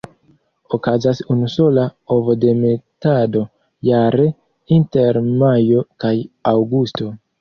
Okazas unusola ovodemetado jare, inter majo kaj aŭgusto.